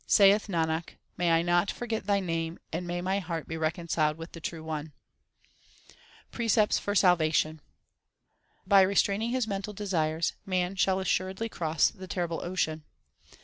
Saith Nanak, may I not forget Thy name, and may my heart be reconciled with the True One ! Precepts for salvation : By restraining his mental desires man shall assuredly cross the terrible ocean.